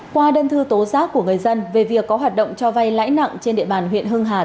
qua đơn thư tố giác của người dân về việc có hoạt động cho vay lãi nặng trên địa bàn huyện hưng hà